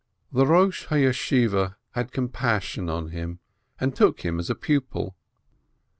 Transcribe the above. The Rosh ha Yeshiveh had compassion on him, and took him as a pupil.